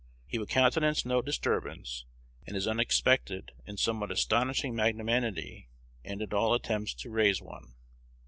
He would countenance no disturbance, and his unexpected and somewhat astonishing magnanimity ended all attempts to raise one.